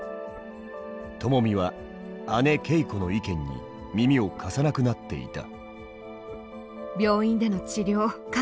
ともみは姉けいこの意見に耳を貸さなくなっていた。